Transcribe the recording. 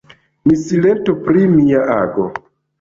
Mi silentu pri mia ago.